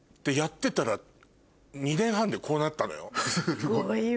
すごいわ。